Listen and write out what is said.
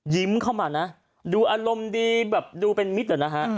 เข้ามานะดูอารมณ์ดีแบบดูเป็นมิตรนะฮะ